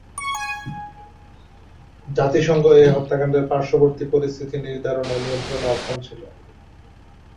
জাতিসংঘ এ হত্যাকাণ্ডের পার্শ্ববর্তী পরিস্থিতি নির্ধারণ ও নিয়ন্ত্রণে অক্ষম ছিল।